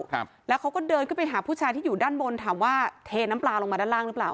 ครับแล้วเขาก็เดินขึ้นไปหาผู้ชายที่อยู่ด้านบนถามว่าเทน้ำปลาลงมาด้านล่างหรือเปล่า